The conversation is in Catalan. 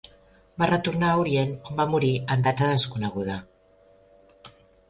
Va retornar a Orient on va morir en data desconeguda.